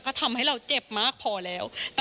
ก็ทำให้เราเจ็บมากพอแล้ว